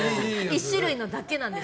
１種類だけなんです。